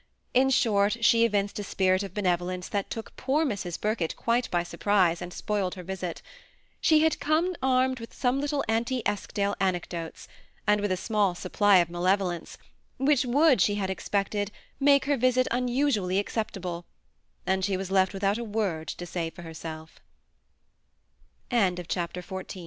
In short, she evinced a spirit of benevolence that took poor Mrs. Birkett quite by surprise, and , spoiled her visit* She had come armed with some little «iti Eskdale aneedotes, and with a small supply <^ malevolence, which would, she had expected, make her visit unusually acceptable, and she was lef^ witho